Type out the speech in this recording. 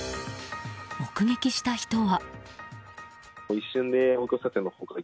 目撃した人は。